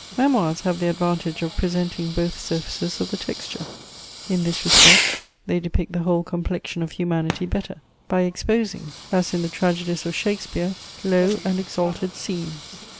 Memoirs have the advantage of presenting both surfaces of the texture: in this respect they depict the whole complexion of humanity better, by exposing, as in the tragedies of Shakespeare, low and exalted scenes.